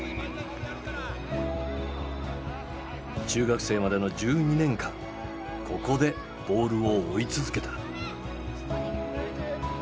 中学生までの１２年間ここでボールを追い続けた。